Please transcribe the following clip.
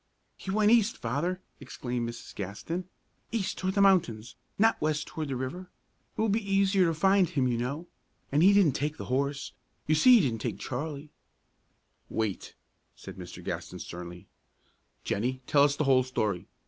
"He went east, Father!" exclaimed Mrs. Gaston, "east toward the mountains, not west toward the river. It will be easier to find him, you know. And he didn't take the horse; you see he didn't take Charlie!" "Wait," said Mr. Gaston, sternly. "Jennie, tell us the whole story.